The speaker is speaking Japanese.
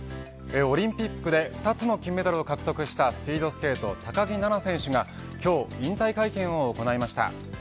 オリンピックで２つの金メダルを獲得したスピードスケート高木菜那選手が今日、引退会見を行いました。